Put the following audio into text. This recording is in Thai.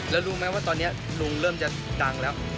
แล้วรู้ไหมว่าตอนนี้ลุงเริ่มจะดังแล้ว